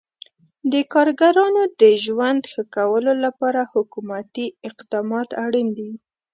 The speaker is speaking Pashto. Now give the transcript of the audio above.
د کارګرانو د ژوند ښه کولو لپاره حکومتي اقدامات اړین دي.